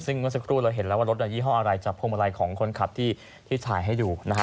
ซึ่งเมื่อสักครู่เราเห็นแล้วว่ารถยี่ห้ออะไรจากพวงมาลัยของคนขับที่ถ่ายให้ดูนะฮะ